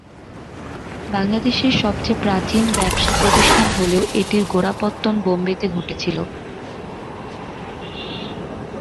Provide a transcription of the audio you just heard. বাংলাদেশের সবচেয়ে প্রাচীন ব্যবসা প্রতিষ্ঠান হলেও এটির গোড়াপত্তন বোম্বেতে ঘটেছিল।